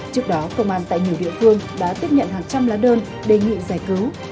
trước đó công an tại nhiều địa phương đã tiếp nhận hàng trăm lá đơn đề nghị giải cứu